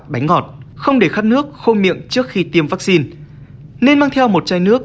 bánh ngọt không để khát nước khô miệng trước khi tiêm vaccine nên mang theo một chai nước